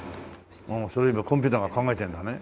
それ今コンピューターが考えてるんだね。